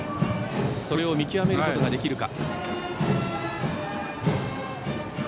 それを見極めることができるか。